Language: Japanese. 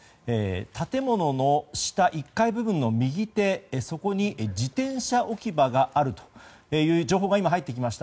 建物の下、１階部分の右手に自転車置き場があるという情報が入ってきました。